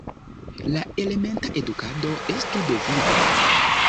La elementa edukado estu deviga.